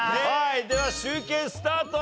では集計スタート。